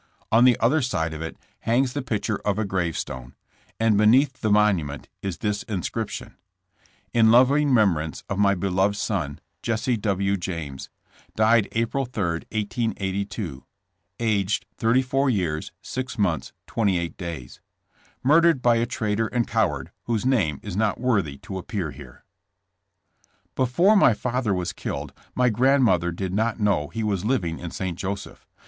On the other side of it hangs the picture of a gravestone, and beneath the monument is this inscription: In Loving Remembrance of My Beloved Son, Jesse W. James. Died April 3, 1882. Aged 34 Years, 6 Months, 28 Days. Murdered by a Traitor and Coward Whose Name is Not Worthy to Appear Here. Before my father was killed, my grandmother did not know he was living in St. Joseph.